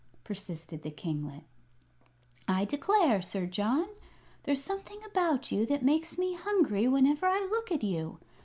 persisted the kinglet. "I declare, Sir John, there's something about you that makes me hungry whenever I look at you.